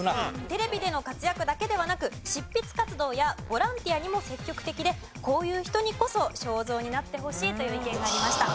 テレビでの活躍だけではなく執筆活動やボランティアにも積極的でこういう人にこそ肖像になってほしいという意見がありました。